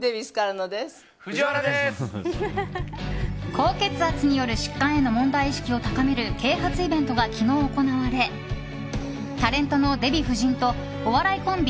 高血圧による疾患への問題意識を高める啓発イベントが昨日行われタレントのデヴィ夫人とお笑いコンビ